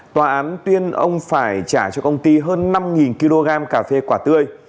tòa án tuyên ông phải trả cho công ty hơn năm kg cà phê quả tươi